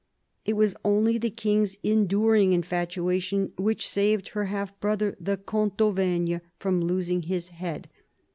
It was only the King's en during infatuation which saved her half brother, the Comte d'Auvergne, from losing his head.